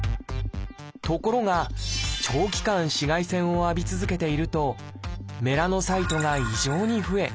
ところが長期間紫外線を浴び続けているとメラノサイトが異常に増え